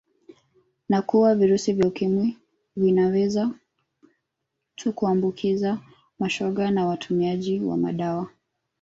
Na kuwa virusi vya Ukimwi vinaweza tu kuambukiza mashoga na watumiaji wa madawa